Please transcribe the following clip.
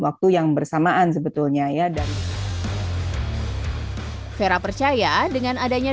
waktu yang bersamaan sebetulnya ya dan vera percaya dengan adanya